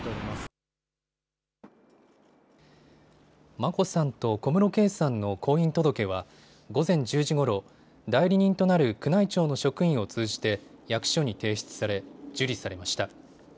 眞子さんと小室圭さんの婚姻届は午前１０時ごろ、代理人となる宮内庁の職員を通じて役所に提出され受理されました。